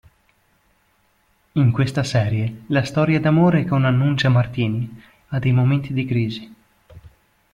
In questa serie la storia d'amore con Annuccia Martini ha dei momenti di crisi.